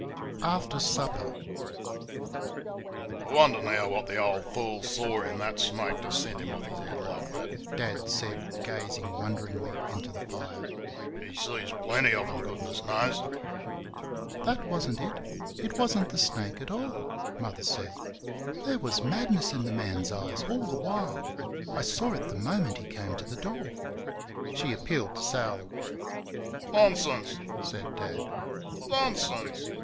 After supper. "I wonder now what the old fool saw in that snake to send him off his head like that?" Dad said, gazing wonderingly into the fire. "He sees plenty of them, goodness knows." "That was n't it. It was n't the snake at all," Mother said; "there was madness in the man's eyes all the while. I saw it the moment he came to the door." She appealed to Sal. "Nonsense!" said Dad; "NONSENSE!"